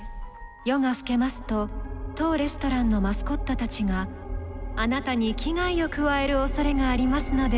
夜が更けますと当レストランのマスコットたちがあなたに危害を加える恐れがありますので